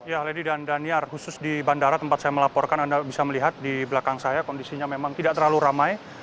ya lady dan daniar khusus di bandara tempat saya melaporkan anda bisa melihat di belakang saya kondisinya memang tidak terlalu ramai